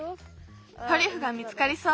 トリュフが見つかりそう。